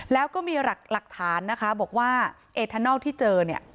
แล้วก็มีหลักฐานนะคะบอกว่าเอทานอลที่เจอเนี่ย